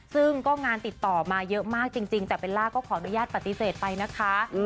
ซึ่งก็งานติดต่อมาเยอะมากจริงแต่เบลล่าก็ขออนุญาตปฏิเสธไปนะคะ